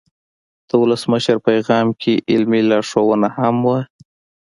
د ولسمشر پیغام کې علمي لارښودونه هم وو.